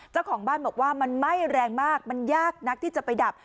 เจ้าของบ้านบอกว่ามันไหม้แรงมากมันยากนักที่จะไปดับ